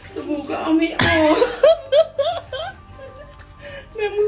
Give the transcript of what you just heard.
สมุลก็เอาไม่ออก